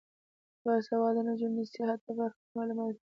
باسواده نجونې د سیاحت په برخه کې معلومات لري.